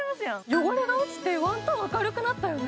汚れが落ちてワントーン明るくなったよね。